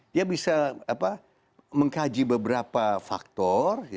dia bisa mengkaji beberapa faktor